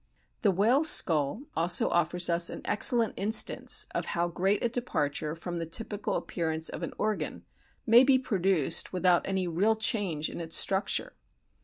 The whale's skull also offers us an excellent instance of how great a departure from the typical appearance of an organ may be produced without any real change in its structure.